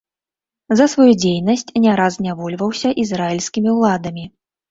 За сваю дзейнасць не раз знявольваўся ізраільскімі ўладамі.